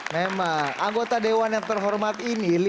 memang anggota dewan yang terhormat ini